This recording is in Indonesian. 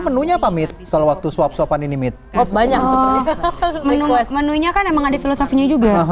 menu nya apa mit kalau waktu suap suapan ini mit banyak menu nya kan emang ada filosofinya juga